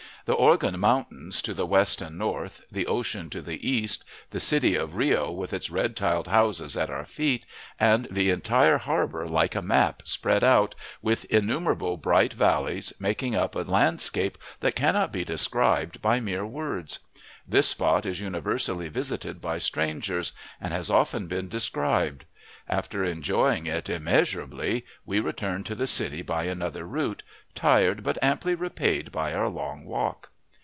The Organ Mountains to the west and north, the ocean to the east, the city of Rio with its red tiled houses at our feet, and the entire harbor like a map spread out, with innumerable bright valleys, make up a landscape that cannot be described by mere words. This spot is universally visited by strangers, and has often been described. After enjoying it immeasurably, we returned to the city by another route, tired but amply repaid by our long walk.